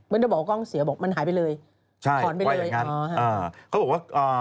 มันก็บอกว่าไม่ไม่ต้องบอกว่ากล้องเสียบอกว่ามันหายไปเลย